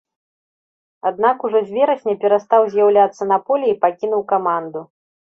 Аднак, ужо з верасня перастаў з'яўляцца на полі і пакінуў каманду.